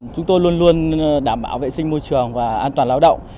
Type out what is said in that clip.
chúng tôi luôn luôn đảm bảo vệ sinh môi trường và an toàn lao động